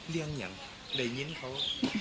เรื่องอย่างดิยิ้นเข้า